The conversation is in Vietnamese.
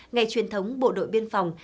ngày truyền thống bộ đội biên phòng